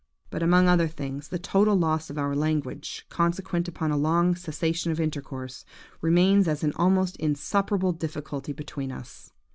But, among other things, the total loss of our language, consequent upon a long cessation of intercourse, remains as an almost insuperable difficulty between us.